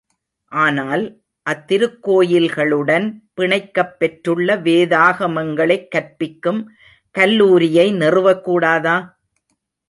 ஆனால், அத்திருக்கோயில்களுடன் பிணைக்கப் பெற்றுள்ள வேதாகமங்களைக் கற்பிக்கும் கல்லூரியை நிறுவக் கூடாதா?